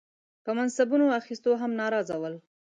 په منصبونو اخیستو هم ناراضه ول.